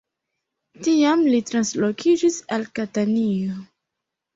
Tiam li translokiĝis al Katanio.